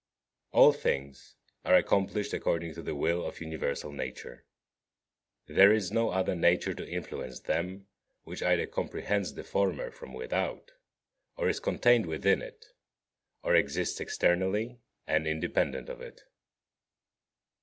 9. All things are accomplished according to the will of universal nature. There is no other nature to influence them which either comprehends the former from without, or is contained within it, or exists externally, and independent of it.